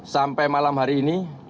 sampai malam hari ini